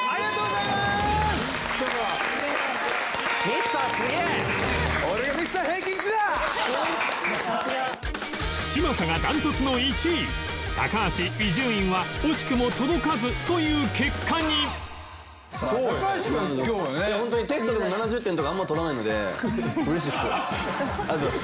いやホントにテストでも７０点とかあんまり取らないので嬉しいっす。